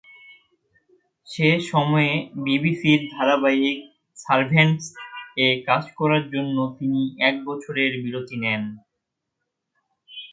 সে সময়ে বিবিসির ধারাবাহিক "সারভেন্টস"-এ কাজ করার জন্য তিনি এক বছরের বিরতি নেন।